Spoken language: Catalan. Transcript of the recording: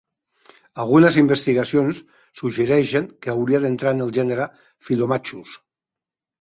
Algunes investigacions suggereixen que hauria d'entrar en el gènere "Philomachus".